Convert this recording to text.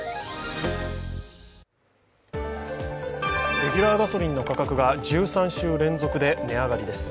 レギュラーガソリンの価格が１３週連続で値上がりです。